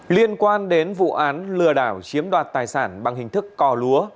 liên quan đến vụ án lừa đảo chiếm đoạt tài sản bằng hình thức cò lúa